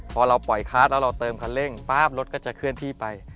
พอเราปล่อยคาร์ดแล้วเราเติมคันเร่งป๊าบรถก็จะเคลื่อนที่ไป